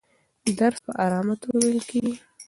درس په ارامه توګه ویل کېږي.